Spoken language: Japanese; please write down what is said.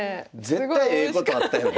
絶対ええことあったやん